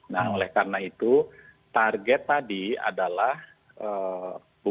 nah oleh karena itu target tadi adalah bukan di apa namanya mengeliminasi virusnya tersebut